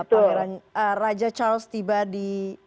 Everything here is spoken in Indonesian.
pameran raja charles tiba di istana buckingham